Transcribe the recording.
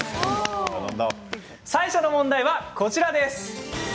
最初の問題はこちらです。